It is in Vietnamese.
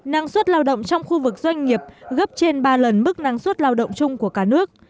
năng suất lao động trong khu vực doanh nghiệp gấp trên ba lần mức năng suất lao động chung của cả nước